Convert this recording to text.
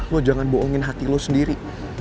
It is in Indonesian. lo jangan bohongin hati lo sendiri